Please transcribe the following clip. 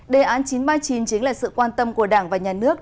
đề án chín trăm ba mươi chín chính là sự quan tâm của đảng và nhà nước